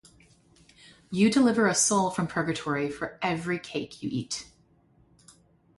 You deliver a soul from Purgatory for every cake you eat.